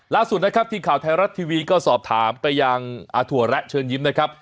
ล่าสุดนะครับทีมข่าวไทยรัฐทีวีก็สอบถามไปยังอาถั่วแระเชิญยิ้มนะครับ